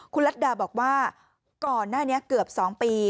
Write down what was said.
คุณรัฐดาบอกว่าก่อนหน้านี้เกือบ๒ปี